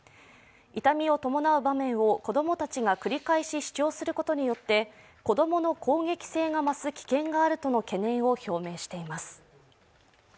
痛みを伴う場面を子供たちが繰り返し視聴することによって子供の攻撃性が増す危険があるとの懸念を表明しています。